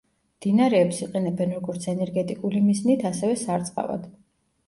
მდინარეებს იყენებენ როგორც ენერგეტიკული მიზნით, ასევე სარწყავად.